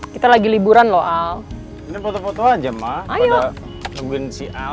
kita lagi liburan loal ini foto foto aja mah ada mungkin siang